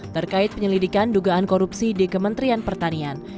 terkait penyelidikan dugaan korupsi di kementerian pertanian